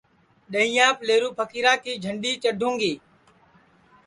ڈؔیہینٚیاپ لیہرو پھکیرا کی جھنڈؔی چڈوں گی